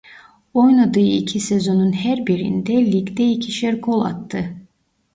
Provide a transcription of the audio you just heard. Oynadığı iki sezonun her birinde ligde ikişer gol attı.